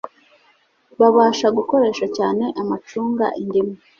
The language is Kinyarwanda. Babasha gukoresha cyane amacunga indimu